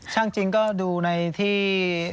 ช่างจริงก็ดูในที่